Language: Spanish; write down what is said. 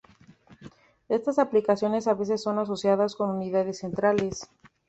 Estas aplicaciones a veces son asociadas con unidades centrales.